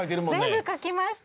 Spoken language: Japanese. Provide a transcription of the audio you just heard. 全部書きました。